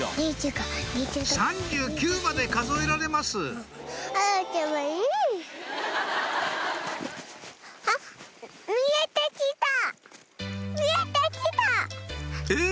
３９まで数えられますえぇ？